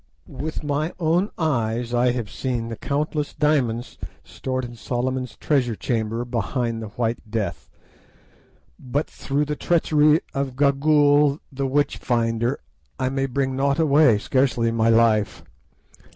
With my own eyes I have seen the countless diamonds stored in Solomon's treasure chamber behind the white Death; but through the treachery of Gagool the witch finder I might bring nought away, scarcely my life.